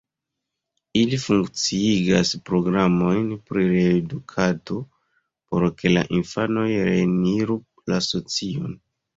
Ili funkciigas programojn pri reedukado, por ke la infanoj reeniru la socion.